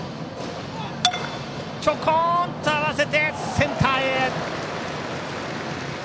ちょこんと合わせてセンターへ！